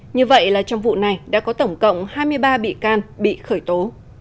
như vậy là trong vụ này đã có tổng cộng hai mươi ba bị can bị khởi tố